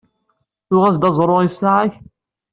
Tuɣeḍ-as-d aẓru i ssaɛa-k?